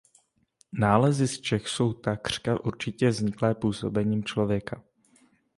Nálezy z Čech jsou takřka určitě vzniklé působením člověka.